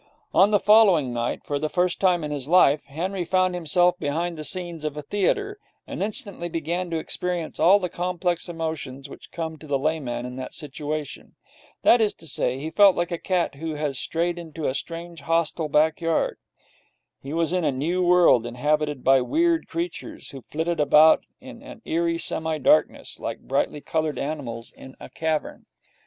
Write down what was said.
On the following night, for the first time in his life, Henry found himself behind the scenes of a theatre, and instantly began to experience all the complex emotions which come to the layman in that situation. That is to say, he felt like a cat which has strayed into a strange hostile back yard. He was in a new world, inhabited by weird creatures, who flitted about in an eerie semi darkness, like brightly coloured animals in a cavern.